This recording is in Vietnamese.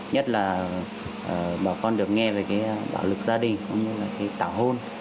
nhất là bà con được nghe về cái bảo lực gia đình tạo hôn